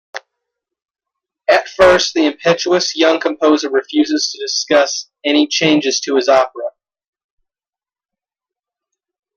At first, the impetuous young Composer refuses to discuss any changes to his opera.